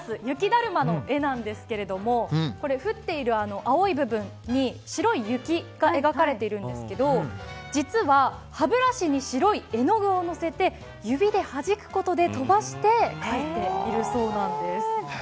雪だるまの絵なんですけれども降っている、青い部分に白い雪が描かれているんですが実は歯ブラシに白い絵の具を乗せて指ではじくことで、飛ばして描いているそうなんです。